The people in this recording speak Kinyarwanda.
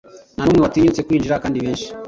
Ntanumwe watinyutse kwinjira, Kandi benshi